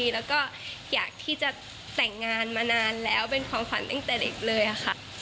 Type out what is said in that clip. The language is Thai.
แล้วก็อยากที่จะแต่งงานมานานแล้วเป็นของขวัญตั้งแต่เด็กเลยค่ะ